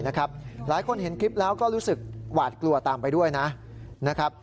หลายคนเห็นคลิปแล้วก็รู้สึกหวาดกลัวตามไปด้วยนะครับ